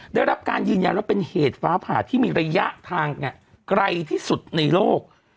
ได้รับการยืนยันว่าเป็นเหตุฟ้าผ่าที่มีระยะทางไกลที่สุดในโลก